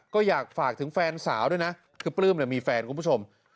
ก็อยากฝากถึงแฟนสาวด้วยนะคือปลื้มมีแฟนคุณผู้ชม